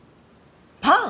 パン！？